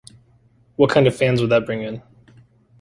What kind of fans would that bring in?